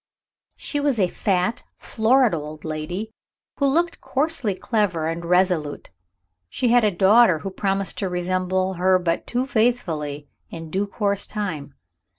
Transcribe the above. She was a fat florid old lady, who looked coarsely clever and resolute; and she had a daughter who promised to resemble her but too faithfully, in due course of time.